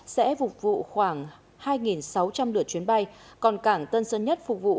sẽ phục vụ khoảng hai sáu trăm linh lượt chuyến bay còn cảng tân sơn nhất phục vụ